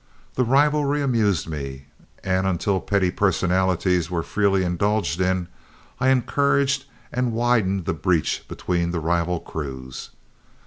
The rivalry amused me, and until petty personalities were freely indulged in, I encouraged and widened the breach between the rival crews.